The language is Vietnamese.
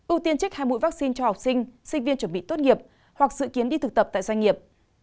ưu tiên trích hai mũi vaccine cho học sinh sinh viên chuẩn bị tốt nghiệp hoặc dự kiến đi thực tập tại doanh nghiệp